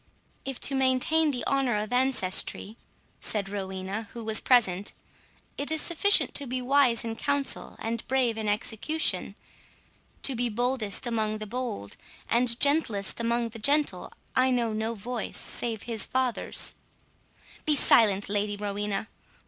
"If to maintain the honour of ancestry," said Rowena, who was present, "it is sufficient to be wise in council and brave in execution—to be boldest among the bold, and gentlest among the gentle, I know no voice, save his father's— " "Be silent, Lady Rowena!